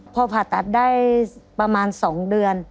พอผ่าตัดได้ประมาณ๒เดือน